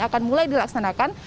akan mulai dilaksanakan